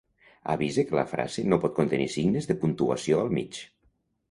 Avise que la frase no pot contenir signes de puntuació al mig.